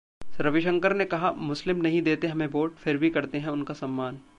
रविशंकर ने कहा- मुस्लिम नहीं देते हमें वोट, फिर भी करते हैं उनका सम्मान